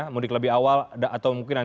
mudik lebih awal atau mungkin